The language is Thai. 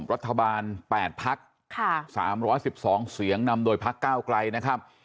รัฐบาลแปดพักค่ะสามร้อยสิบสองเสียงนำโดยพักก้าวกลัยนะครับ